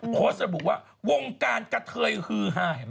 เพราะสมมุติว่าวงการกะเทยฮือห้า